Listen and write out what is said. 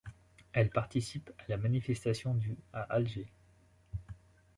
Elle participe à la manifestation du à Alger.